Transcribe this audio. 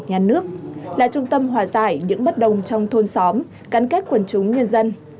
nhà nước là trung tâm hòa giải những bất đồng trong thôn xóm cắn kết quần chúng nhân dân